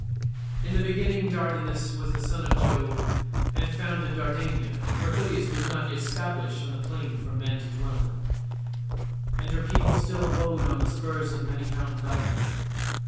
"In the beginning Dardanus was the son of Jove, and founded Dardania, for Ilius was not yet stablished on the plain for men to dwell in, and her people still abode on the spurs of many fountained Ida.